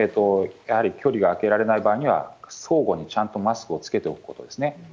やはり距離が空けられない場合には、相互にちゃんとマスクを着けておくことですね。